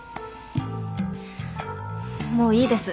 もういいです。